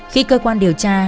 khi cơ quan điều tra